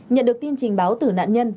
nhận được tin trình báo tử nạn nhân